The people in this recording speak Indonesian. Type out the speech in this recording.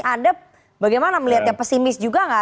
anda bagaimana melihatnya pesimis juga nggak